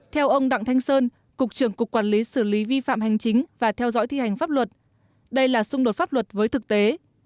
theo ông đặng thanh sơn cục trưởng cục quản lý xử lý vi phạm hành chính và theo dõi thi hành pháp luật đây là xung đột pháp luật với thực tế